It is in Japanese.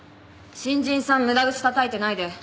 新人さん無駄口たたいてないで。